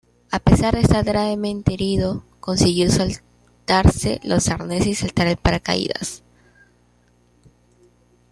A pesar de estar gravemente herido consiguió soltarse los arneses y saltar en paracaídas.